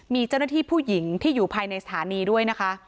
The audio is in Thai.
มีเจ้าหน้าที่ผู้หญิงที่อยู่ภายในสถานีด้วยนะคะ